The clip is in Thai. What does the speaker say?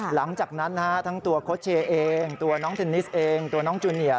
หลังจากนั้นนะฮะทั้งตัวโค้ชเชย์เองตัวน้องเทนนิสเองตัวน้องจูเนียร์